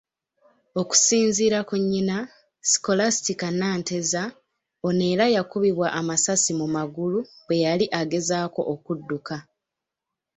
Okusinziira ku nnyina, Scholastica Nanteza, ono era yakubibwa amasasi mu magulu bwe yali agezaako okudduka.